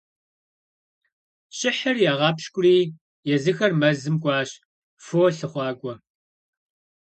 Щыхьыр ягъэпщкӀури, езыхэр мэзым кӀуащ, фо лъыхъуакӀуэ.